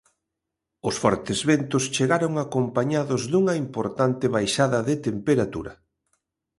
Os fortes ventos chegaron acompañados dunha importante baixada de temperatura.